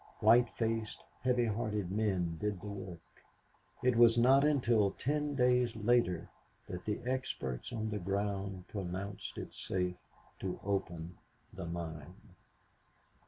White faced, heavy hearted men did the work; and it was not until ten days later that the experts on the ground pronounced it safe to open the mine.